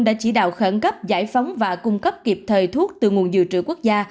đã chỉ đạo khẩn cấp giải phóng và cung cấp kịp thời thuốc từ nguồn dự trữ quốc gia